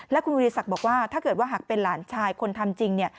และคุณวิทยาศักดิ์บอกว่าถ้าเกิดว่าหากเป็นหลานชายคนทำจริงเนี่ย